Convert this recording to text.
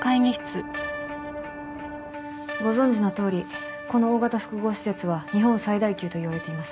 ご存じのとおりこの大型複合施設は日本最大級といわれています。